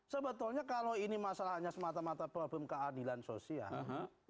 sebetulnya kalau ini masalahnya semata mata problem keadilan sosial